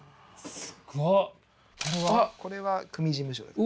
これは組事務所です。